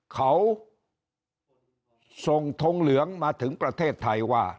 เขาส่งทงเหลืองมาถึงประเทศไทยว่า